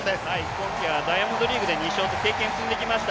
今季はダイヤモンドリーグで２勝と経験を積んできました。